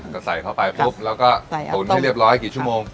ก็ใส่เข้าไปปุ๊บแล้วก็ตุ๋นให้เรียบร้อยกี่ชั่วโมง